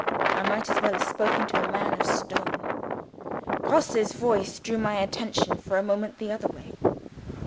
I might as well have spoken to a man of stone. Grosse's voice drew my attention, for a moment, the other way.